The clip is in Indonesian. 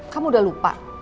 kamu udah lupa